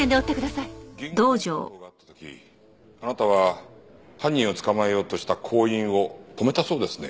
銀行強盗があった時あなたは犯人を捕まえようとした行員を止めたそうですね？